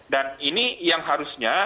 dan ini yang harusnya